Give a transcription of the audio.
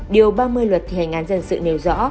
điều ba mươi luật thi hành án dân sự nêu rõ